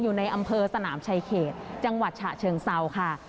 อยู่ในอำเภอสนามชายเขตจังหวัดฉะเชิงเซาค่ะ